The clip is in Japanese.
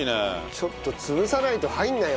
ちょっと潰さないと入らないよ